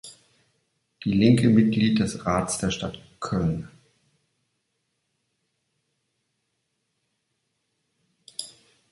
Die Linke Mitglied des Rats der Stadt Köln.